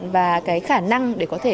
và cái khả năng để có thể